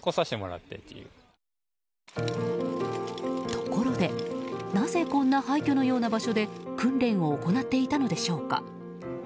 ところでなぜ、こんな廃墟のような場所で訓練を行っていたのでしょうか。